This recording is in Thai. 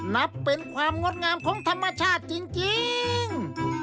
นับเป็นความงดงามของธรรมชาติจริง